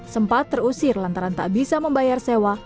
sempat terusir lantaran tak bisa membayar sewa